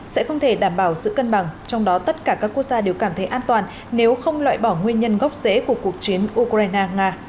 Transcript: sẽ không thể đảm bảo sự cân bằng trong đó tất cả các quốc gia đều cảm thấy an toàn nếu không loại bỏ nguyên nhân gốc rễ của cuộc chiến ukraine nga